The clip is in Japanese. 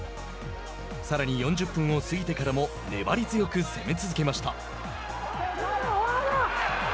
さらに４０分を過ぎてからも粘り強く攻め続けました。